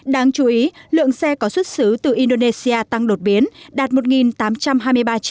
đáng chú ý lượng xe có xuất xứ từ indonesia tăng đột biến đạt một tám trăm hai mươi ba chiếc